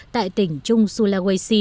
tại tỉnh trung suu khoa